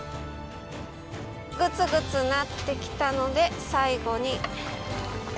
グツグツなってきたので最後に。